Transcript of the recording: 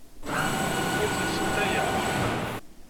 Ur tent-ssentayeɣ.